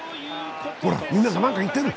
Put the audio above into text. ほら、みんなが何か言ってる！